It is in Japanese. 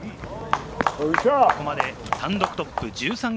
ここまで単独トップ−１３。